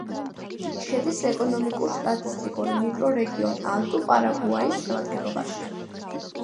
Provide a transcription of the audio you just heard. შედის ეკონომიკურ-სტატისტიკურ მიკრორეგიონ ალტუ-პარაგუაის შემადგენლობაში.